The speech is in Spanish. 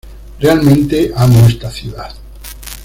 Realmente amo esta ciudad.